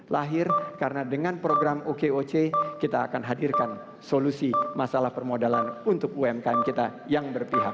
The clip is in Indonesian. lahir karena dengan program okoc kita akan hadirkan solusi masalah permodalan untuk umkm kita yang berpihak